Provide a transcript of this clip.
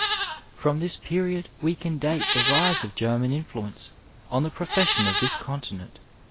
From this period we can date the rise of German influence on the profession of this continent.